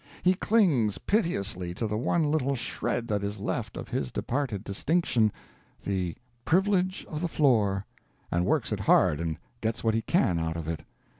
He clings piteously to the one little shred that is left of his departed distinction the "privilege of the floor"; and works it hard and gets what he can out of it.